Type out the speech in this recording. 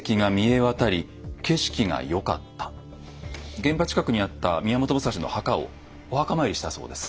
現場近くにあった宮本武蔵の墓をお墓参りしたそうです。